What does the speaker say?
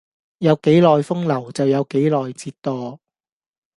有幾耐風流就有幾耐折墮